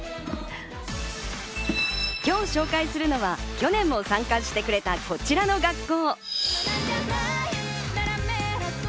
今日紹介するのは去年も参加してくれた、こちらの学校。